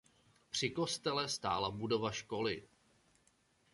Při kostele stála budova školy.